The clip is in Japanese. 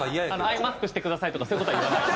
「アイマスクしてください」とかそういう事は言わない。